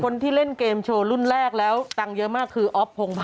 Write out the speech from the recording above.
คนที่เล่นเกมโชว์รุ่นแรกแล้วตังค์เยอะมากคืออ๊อฟพงภา